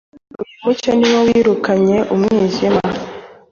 Uyu mucyo ni wo wirikanye umwijima